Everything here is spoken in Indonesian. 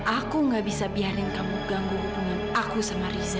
aku gak bisa biarin kamu ganggu hubungan aku sama riza